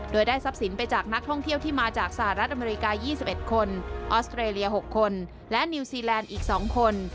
โดยได้ทรัพย์สินไปจากนักท่องเที่ยวที่มาจากสหรัฐอเมริกา๒๑คนออสเตรเลีย๖คนและนิวซีแลนด์อีก๒คน